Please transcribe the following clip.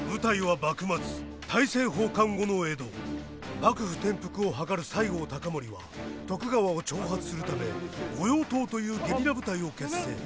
幕府転覆を謀る西郷隆盛は徳川を挑発するため御用盗というゲリラ部隊を結成。